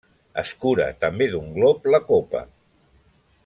Escura també d’un glop la copa.